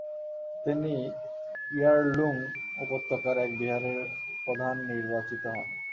তিনি ইয়ার্লুং উপত্যকায় এক বিহারের প্রধান নির্বাচিত হন।